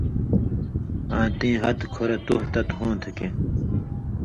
آں تیں ہتہۡ کۡھرہ تُوہہۡ تت ہوں تھہ کھیں